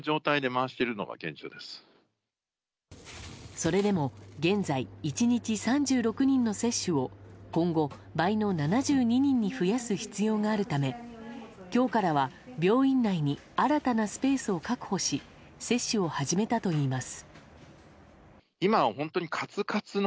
それでも現在１日３６人の接種を今後、倍の７２人に増やす必要があるため今日からは病院内に新たなスペースを確保し接種を始めたといいます。